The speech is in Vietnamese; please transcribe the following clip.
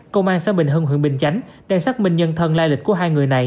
công an xã bình hưng huyện bình chánh đang xác minh nhân thân lai lịch của hai người này